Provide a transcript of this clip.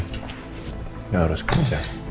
gak harus kerja